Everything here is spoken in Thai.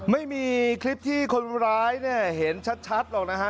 ไม่มีคลิปที่คนร้ายเนี่ยเห็นชัดหรอกนะฮะ